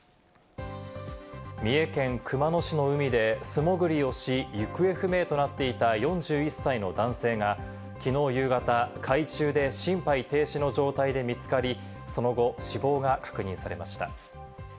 三重県熊野市の海で素潜りをし、行方不明となっていた４１歳の男性がきのう夕方、海中で心肺停止の状態で見つかり、その後、死亡が確認されました。